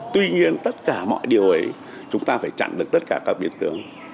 tuy nhiên tất cả mọi điều ấy chúng ta phải chặn được tất cả các biến tướng